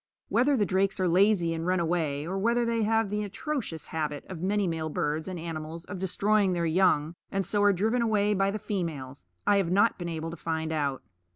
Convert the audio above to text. Whether the drakes are lazy and run away, or whether they have the atrocious habit of many male birds and animals of destroying their young, and so are driven away by the females, I have not been able to find out.